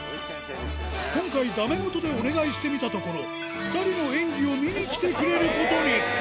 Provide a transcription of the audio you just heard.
今回、だめもとでお願いしてみたところ、２人の演技を見に来てくれることに。